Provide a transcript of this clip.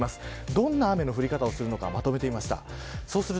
どんな雨の降り方をするのかまとめました。